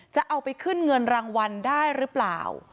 จะเอาไปขึ้นเงินรางวัลได้หรือเปล่า